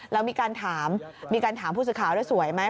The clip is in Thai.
แล้วมีการถามมีการถามผู้สื่อข่าวด้วยสวยไหม